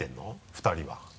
２人は。